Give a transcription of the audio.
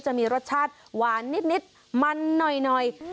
จะมีรสชาติหวานนิดมันหน่อย